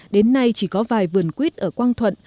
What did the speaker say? đến nay chỉ có vài vườn quýt ở quang thuận